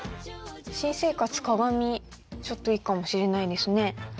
新生活鏡ちょっといいかもしれないですね。